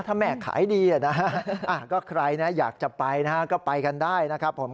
ถ้าแม่ขายดีนะฮะก็ใครนะอยากจะไปนะฮะก็ไปกันได้นะครับผม